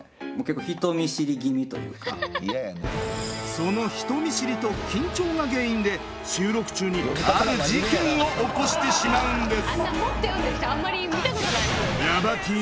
その人見知りと緊張が原因で収録中にある事件を起こしてしまうんです。